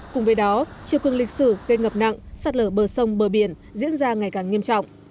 cùng với đó chiều cương lịch sử gây ngập nặng sạt lở bờ sông bờ biển diễn ra ngày càng nghiêm trọng